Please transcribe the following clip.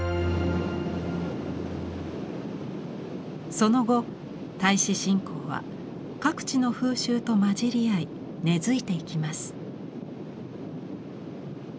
その後太子信仰は各地の風習とまじり合い根づいていきます。